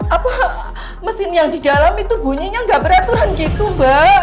apa mesin yang di dalam itu bunyinya nggak peraturan gitu mbak